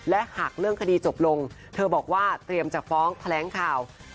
และหากเรื่องคดีจบลงเธอบอกว่าเตรียมจะฟ้องแถลงข่าว